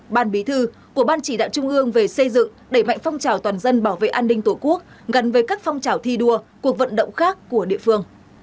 ban bí thư của ban chỉ đạo trung ương về xây dựng đẩy mạnh phong trào toàn dân bảo vệ an ninh tổ quốc gần với các phong trào thi đua cuộc vận động khác của địa phương